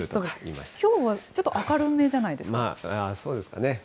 きょうはちょっと明るめじゃまあそうですかね。